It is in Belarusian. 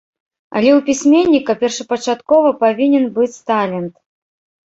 Але ў пісьменніка першапачаткова павінен быць талент.